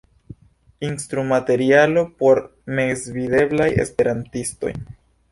Instrumaterialo por meznivelaj Esperantistoj.